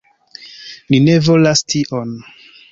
Ni ne volas tion.